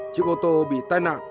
chiếc ô tô bị tai nạn